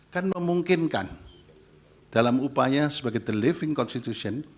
kan memungkinkan dalam upaya sebagai the living constitution